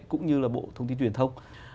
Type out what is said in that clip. cũng như là bộ thông tin truyền thông